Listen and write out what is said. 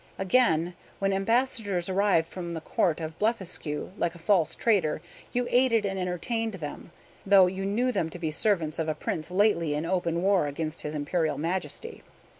"Again, when ambassadors arrived from the Court of Blefuscu, like a false traitor, you aided and entertained them, though you knew them to be servants of a prince lately in open war against his Imperial Majesty.